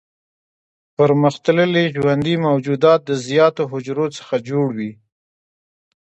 پرمختللي ژوندي موجودات د زیاتو حجرو څخه جوړ وي.